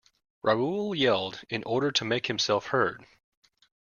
Raoul yelled, in order to make himself heard.